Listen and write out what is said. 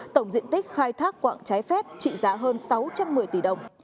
quặng trái phép trị giá hơn sáu trăm một mươi tỷ đồng